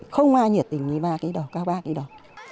không ai nhiệt tình như bác ấy đâu các bác ấy đâu